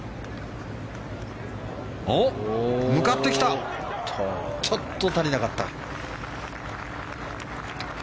向かってきたがちょっと足りなかった。